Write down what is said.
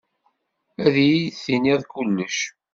Ad iyi-d-tiniḍ kullec.